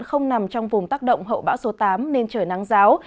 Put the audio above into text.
không nằm trong vùng tác động hậu bão số tám nên trời nắng giáo